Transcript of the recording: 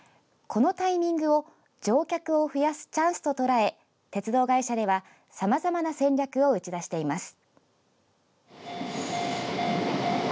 このタイミングを乗客を増やすチャンスととらえ鉄道会社では、さまざまな戦略を打ち出しています。